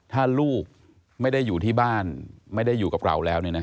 ถ้าลูกไม่ได้อยู่ที่บ้านไม่ได้อยู่กับเราแล้ว